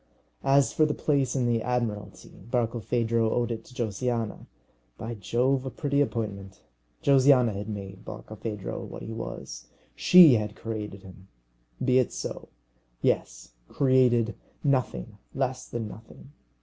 As for the place in the Admiralty, Barkilphedro owed it to Josiana; by Jove, a pretty appointment! Josiana had made Barkilphedro what he was. She had created him. Be it so. Yes, created nothing less than nothing.